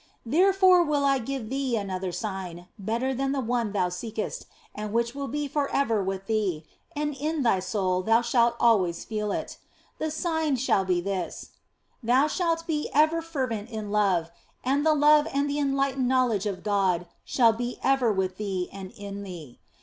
Therefore will I give thee another sign, better than the one thou seekest, and which will be for ever with thee, and in thy soul thou shalt always feel it. The sign shall be this : thou shalt be ever fervent in love, and the love and the enlightened know OF FOLIGNO 199 ledge of God shall be ever with thee and in thee.